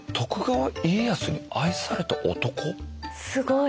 すごい。